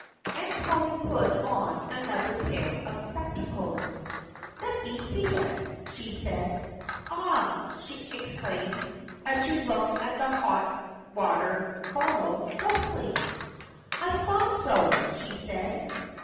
Aunt Polly put on another pair of spectacles. "Let me see it!" she said. "Aha!" she exclaimed, as she looked at the hot water bottle closely. "I thought so!" she said.